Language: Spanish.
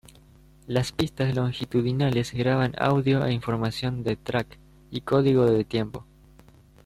Las pistas longitudinales graban audio e información de track y código de tiempo.